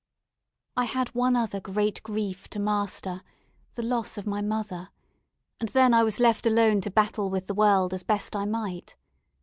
I had one other great grief to master the loss of my mother, and then I was left alone to battle with the world as best I might.